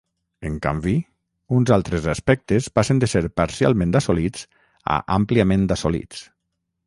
En canvi, uns altres aspectes passen de ser ‘parcialment assolits’ a ‘àmpliament assolits’.